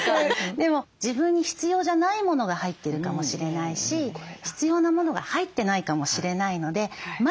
でも自分に必要じゃないものが入ってるかもしれないし必要なものが入ってないかもしれないのでまず出してみる。